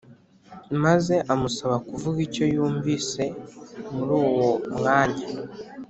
maze amusaba kuvuga icyo yumvise muri uwo mwanya